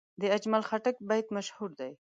د اجمل خټک بیت مشهور دی.